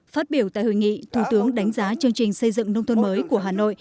phát biểu tại hội nghị thủ tướng đánh giá chương trình xây dựng nông thôn mới của hà nội